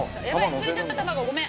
潰れちゃった卵ごめん。